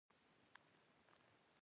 جانداد د صبر او حوصلې نمونه ده.